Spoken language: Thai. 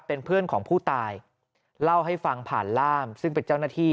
เป็นเพื่อนของผู้ตายเล่าให้ฟังผ่านล่ามซึ่งเป็นเจ้าหน้าที่